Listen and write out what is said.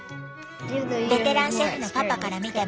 ベテランシェフのパパから見ても？